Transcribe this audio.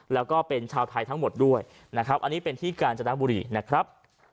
แล้วก็เป็นชาวไทยทั้งหมดด้วยนะครับอันนี้เป็นที่กาญจนบุรีนะครับ